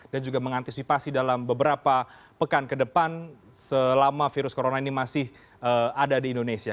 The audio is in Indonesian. dan juga mengantisipasi dalam beberapa pekan ke depan selama virus corona ini masih ada di indonesia